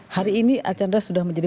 hari ini archandra sudah menjadi